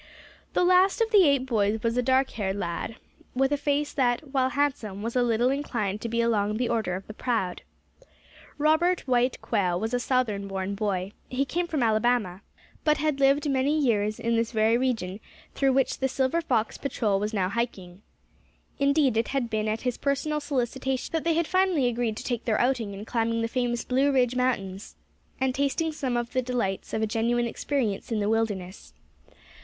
The last of the eight boys was a dark haired lad, with a face that, while handsome, was a little inclined to be along the order of the proud. Robert White Quail was a Southern born boy. He came from Alabama, but had lived many years in this very region through which the Silver Fox Patrol was now hiking. Indeed, it had been at his personal solicitation that they had finally agreed to take their outing in climbing the famous Blue Ridge Mountains, and tasting some of the delights of a genuine experience in the wilderness.